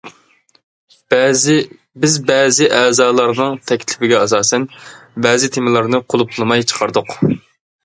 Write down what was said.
بىز بەزى ئەزالارنىڭ تەكلىپىگە ئاساسەن بەزى تېمىلارنى قۇلۇپلىماي چىقاردۇق.